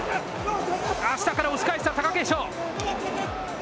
下から押し返した貴景勝。